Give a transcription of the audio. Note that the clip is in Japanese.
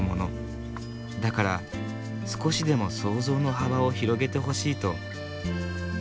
だから少しでも想像の幅を広げてほしい」と。